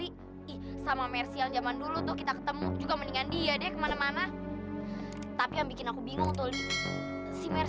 kenapa lagi semakin besar